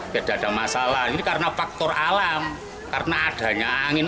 terpaksa untuk berburu alam karena adanya angin